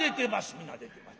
皆出てます。